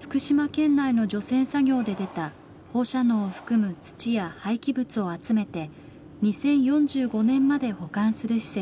福島県内の除染作業で出た放射能を含む土や廃棄物を集めて２０４５年まで保管する施設。